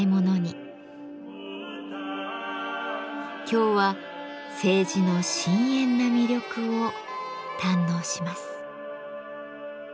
今日は青磁の深遠な魅力を堪能します。